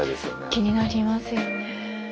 気になりますよね。